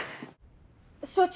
所長